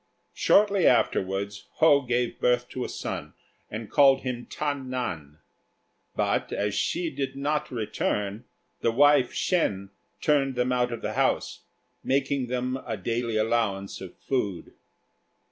Shortly afterwards Ho gave birth to a son, and called him Ta nan; but as Hsi did not return, the wife Shên turned them out of the house, making them a daily allowance of food.